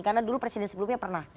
karena dulu presiden sebelumnya pernah